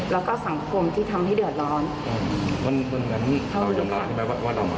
แล้วก็สังคมที่ทำให้เดือดร้อนอืมวันนั้นเรายอมรับที่ไหมว่าเรา